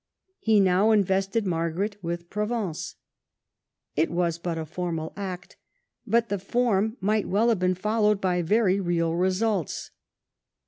He now invested Margaret with Provence. It was but a formal act, but the form might well have been followed by very real results.